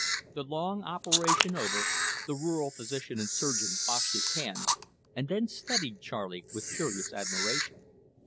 The long operation over, the rural physician and surgeon washed his hands and then studied Charley with curious admiration.